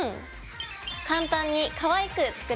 簡単にかわいく作れました。